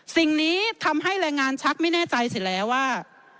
สิ่งนี้ทำให้แรงงานชักไม่แน่ใจเสร็จแล้วว่า